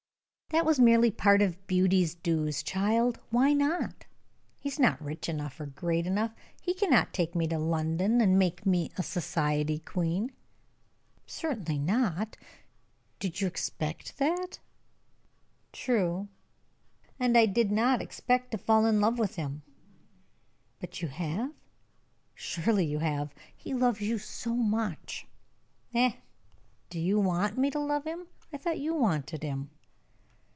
"That was merely part of beauty's dues, child. Why not? He is not rich enough, or great enough; he cannot take me to London, and make me a society queen." "Certainly not. You did not expect that." "True. And I did not expect to fall in love with him." "But you have? Surely you have, he loves you so much." "Eh? Do you want me to love him? I thought you wanted him."